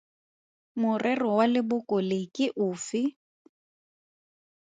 Morero wa leboko le ke ofe?